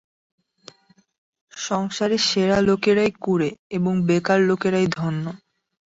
সংসারে সেরা লোকেরাই কুঁড়ে এবং বেকার লোকেরাই ধন্য।